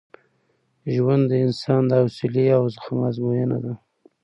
ژوند د انسان د حوصلې او زغم ازموینه ده.